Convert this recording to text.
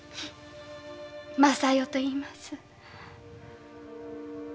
昌代といいます。